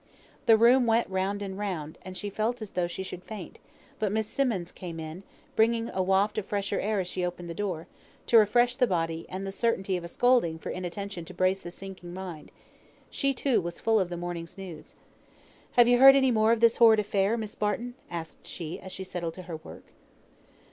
The room went round and round, and she felt as though she should faint; but Miss Simmonds came in, bringing a waft of fresher air as she opened the door, to refresh the body, and the certainty of a scolding for inattention to brace the sinking mind. She, too, was full of the morning's news. "Have you heard any more of this horrid affair, Miss Barton?" asked she, as she settled to her work.